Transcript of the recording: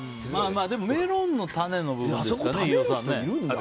メロンの種の部分ですかね飯尾さん。